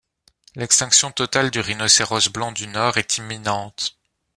L'extinction totale du Rhinocéros blanc du Nord est imminente.